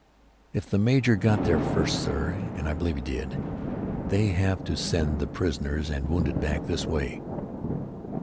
"If the major got there first, sir, and I believe he did, they have to send the prisoners and wounded back this way."